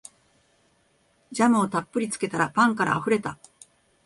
ジャムをたっぷりつけたらパンからあふれた